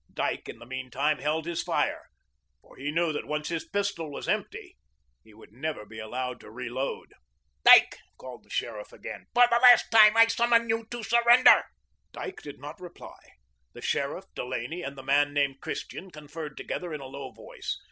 Dyke, in the meanwhile, held his fire, for he knew that, once his pistol was empty, he would never be allowed time to reload. "Dyke," called the sheriff again, "for the last time, I summon you to surrender." Dyke did not reply. The sheriff, Delaney, and the man named Christian conferred together in a low voice.